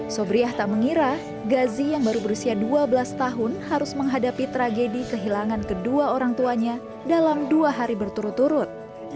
sobriah tak mengira gazi yang baru berusia dua belas tahun harus menghadapi tragedi kehilangan kedua orang tuanya dalam dua hari berturut turut